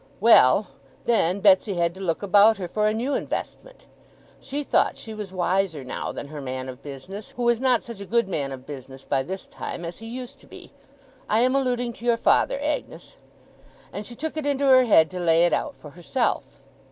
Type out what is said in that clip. Well! Then, Betsey had to look about her, for a new investment. She thought she was wiser, now, than her man of business, who was not such a good man of business by this time, as he used to be I am alluding to your father, Agnes and she took it into her head to lay it out for herself.